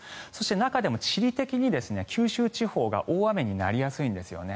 中でも地理的に九州地方が大雨になりやすいんですね。